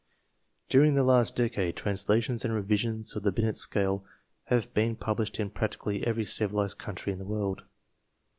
During the last decade translations and revisions of the Binet scale have been published in practically every civilized country of the world.